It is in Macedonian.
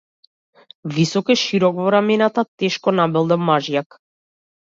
Висок е, широк во рамената, тешко набилдан мажјак.